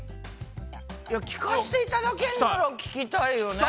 聞かしていただけるなら聞きたいよね。